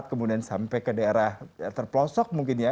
kemudian sampai ke daerah terpelosok mungkin ya